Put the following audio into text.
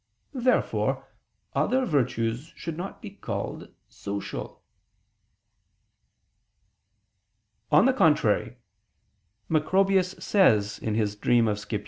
Therefore other virtues should not be called "social." On the contrary, Macrobius says (Super Somn. Scip.